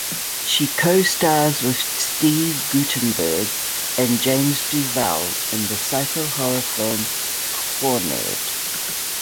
She co-stars with Steve Guttenberg and James Duval in the psycho horror film Cornered!